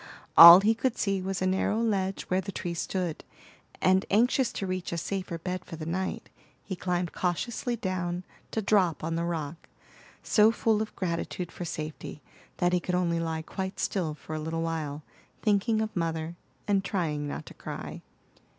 All he could see was a narrow ledge where the tree stood, and anxious to reach a safer bed for the night, he climbed cautiously down to drop on the rock, so full of gratitude for safety that he could only lie quite still for a little while, thinking of mother, and trying not to cry.